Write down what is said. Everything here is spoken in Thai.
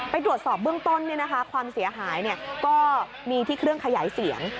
ตรวจสอบเบื้องต้นความเสียหายก็มีที่เครื่องขยายเสียง